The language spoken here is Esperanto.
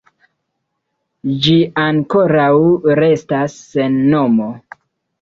Ĝi ankoraŭ restas sen nomo.